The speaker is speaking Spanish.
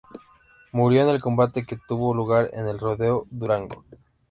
Murió en el combate que tuvo lugar en El Rodeo, Durango.